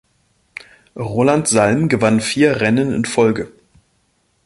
Roland Salm gewann vier Rennen in Folge.